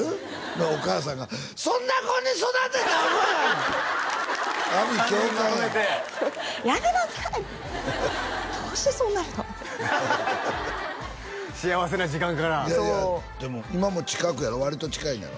でお母さんが「そんな子に育てた覚えは」阿鼻叫喚や３人まとめて「やめなさい！どうしてそうなるの」幸せな時間からそうでも今も近くやろ？割と近いんやろ？